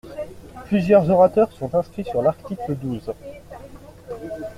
Plusieurs orateurs sont inscrits sur l’article douze.